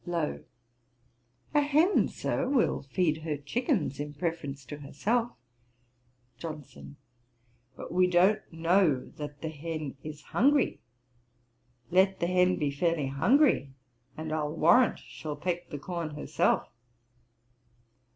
LOWE. 'A hen, Sir, will feed her chickens in preference to herself.' JOHNSON. 'But we don't know that the hen is hungry; let the hen be fairly hungry, and I'll warrant she'll peck the corn herself.